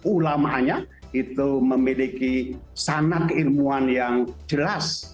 ulama nya itu memiliki sana keilmuan yang jelas